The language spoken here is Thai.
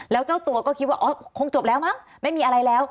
แล้วเจ้าตัวก็คิดว่าอ๋อคงจบแล้วมั้งไม่มีอะไรแล้ว